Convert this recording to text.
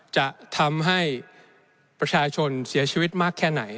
จะทำให้ประชาชนเสียชีวิตมากแค่ไหน